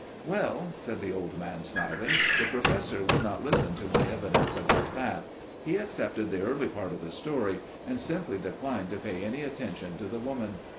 "Well," said the old man, smiling, "the Professor would not listen to my evidence about that. He accepted the early part of the story, and simply declined to pay any attention to the woman.